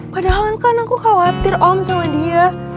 padahal kan aku khawatir om sama dia